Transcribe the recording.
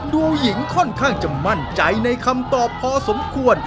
หญิงค่อนข้างจะมั่นใจในคำตอบพอสมควร